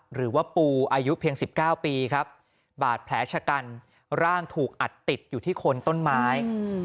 หรือว่าปูอายุเพียง๑๙ปีครับบาดแผลชะกันร่างถูกอัดติดอยู่ที่คนต้นไม้